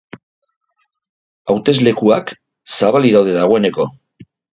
Hauteslekuak zabalik daude dagoeneko.